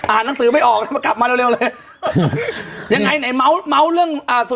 อ่านหนังสือไม่ออกก็กลับมาเร็ว